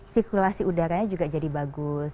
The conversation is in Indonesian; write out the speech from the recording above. sirkulasi udaranya juga jadi bagus